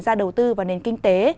ra đầu tư vào nền kinh tế